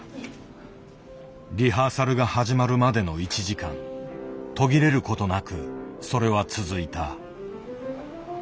リハーサルが始まるまでの１時間途切れることなくそれは続いた。